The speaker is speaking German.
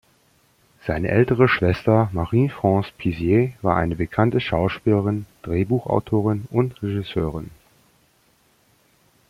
Seine ältere Schwester Marie-France Pisier war eine bekannte Schauspielerin, Drehbuchautorin und Regisseurin.